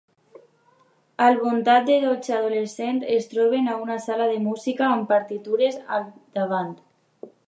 Al voltant de dotze adolescents es troben a una sala de música amb partitures al davant.